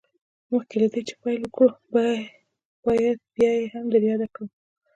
مخکې له دې چې پيل وکړو بايد بيا يې هم در ياده کړم.